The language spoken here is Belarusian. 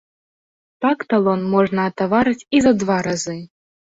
Так талон можна атаварыць і за два разы.